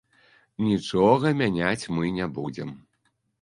Нічога мяняць мы не будзем.